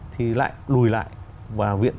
thì lại lùi lại và viện